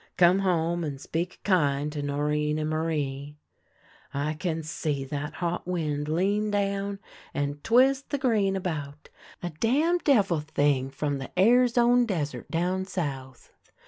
Come home, and speak kind to Norinne and Marie.' " I can see that hot wind lean down and twist the grain about — a damn devil thing from the Arzone des ert down South.